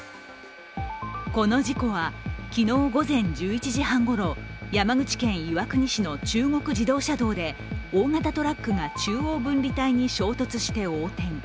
この事故は昨日午前１１時半ごろ、山口県岩国市の中国自動車道で大型トラックが中央分離帯に衝突して横転。